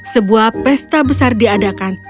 sebuah pesta besar diadakan